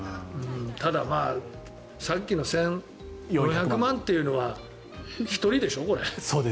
ただ、さっきの１４００万というのは１人でしょ、これ。